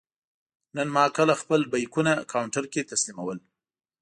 نن ما کله خپل بېکونه کاونټر کې تسلیمول.